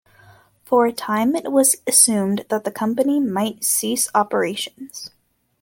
For a time, it was assumed that the company might cease operations.